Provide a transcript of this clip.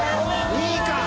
２位か。